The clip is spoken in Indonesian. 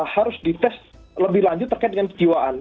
harus dites lebih lanjut terkait dengan kejiwaan